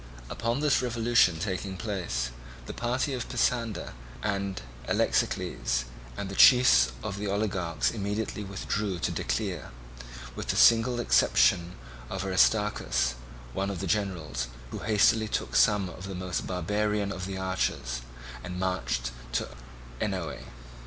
Upon this revolution taking place, the party of Pisander and Alexicles and the chiefs of the oligarchs immediately withdrew to Decelea, with the single exception of Aristarchus, one of the generals, who hastily took some of the most barbarian of the archers and marched to Oenoe.